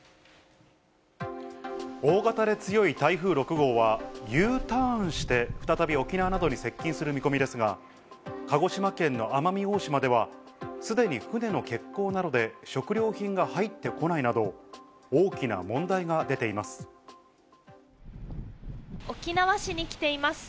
大型で強い台風６号は、Ｕターンして、再び沖縄などに接近する見込みですが、鹿児島県の奄美大島では、すでに船の欠航などで食料品が入ってこないなど、大きな問題が出沖縄市に来ています。